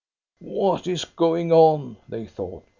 "What is going on?" they thought.